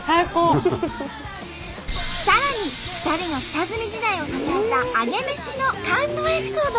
さらに２人の下積み時代を支えたアゲメシの感動エピソードも。